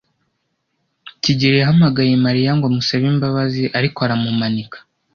kigeli yahamagaye Mariya ngo amusabe imbabazi, ariko aramumanika.